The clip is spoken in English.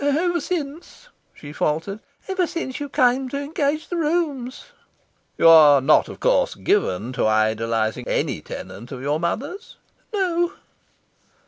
"Ever since," she faltered, "ever since you came to engage the rooms." "You are not, of course, given to idolising any tenant of your mother's?" "No."